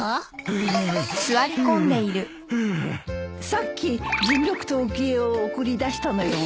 さっき甚六と浮江を送り出したのよ。